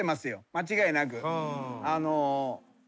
間違いなく。